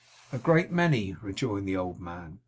'A great many,' rejoined the old man.